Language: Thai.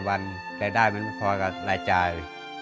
ฎายแล้วมันพออะไรจ่าย